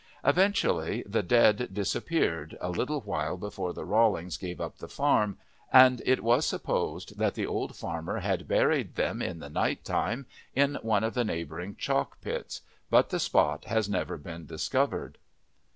Eventually the dead disappeared a little while before the Rawlings gave up the farm, and it was supposed that the old farmer had buried them in the night time in one of the neighbouring chalk pits, but the spot has never been discovered.